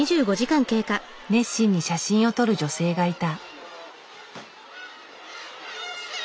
熱心に写真を撮る女性がいた。